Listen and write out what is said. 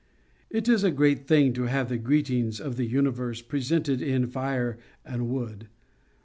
—It is a great thing to have the greetings of the universe presented in fire and food.